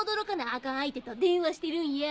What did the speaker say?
アカン相手と電話してるんや！